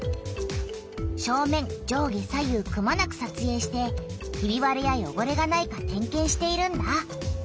正面上下左右くまなくさつえいしてひびわれやよごれがないか点けんしているんだ。